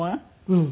うん。